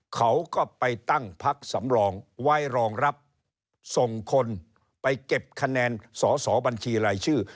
เขาก็ไปตั้งพักสำรองไว้รองรับส่งคนไปเก็บคะแนนสอสอบัญชีรายชื่อ